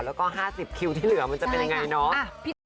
แล้วก็๕๐คิวที่เหลือมันจะเป็นยังไงเนาะ